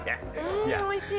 うんおいしい！